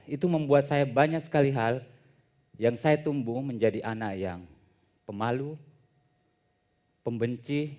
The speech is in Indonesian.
itu membuat saya banyak sekali hal yang saya tumbuh menjadi anak yang pemalu pembenci